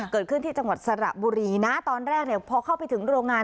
เกิดขึ้นที่จังหวัดสระบุรีนะตอนแรกเนี่ยพอเข้าไปถึงโรงงาน